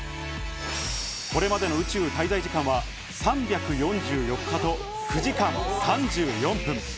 これまでの宇宙滞在時間は３４４日と９時間３４分。